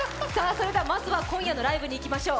まずは今夜のライブに行きましょう。